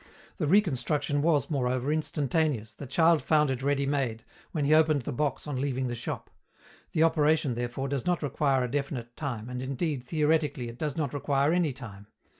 The reconstruction was, moreover, instantaneous, the child found it ready made, when he opened the box on leaving the shop. The operation, therefore, does not require a definite time, and indeed, theoretically, it does not require any time.